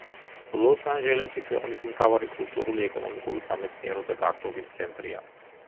ლოს-ანჯელესი ქვეყნის მთავარი კულტურული, ეკონომიკური, სამეცნიერო და გართობის ცენტრია.